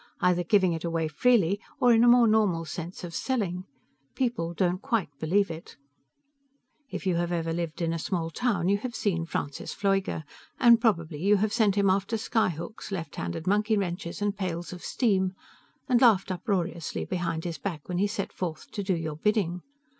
either giving it away freely, or in a more normal sense of "selling". People don't quite believe it.... by Robert J. Young Illustrated by Schoenherr If you have ever lived in a small town, you have seen Francis Pfleuger, and probably you have sent him after sky hooks, left handed monkey wrenches and pails of steam, and laughed uproariously behind his back when he set forth to do your bidding.